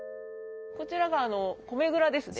こちらが米蔵ですね。